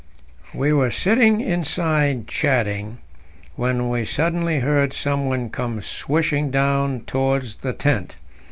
We were sitting inside chatting, when we suddenly heard someone come swishing down towards the tent.